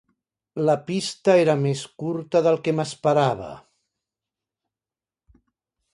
La pista era més curta del que m'esperava.